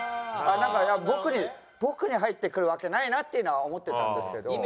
なんか僕に僕に入ってくるわけないなっていうのは思ってたんですけど。